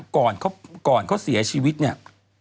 ก่อนเขาเสียชีวิตเนี่ย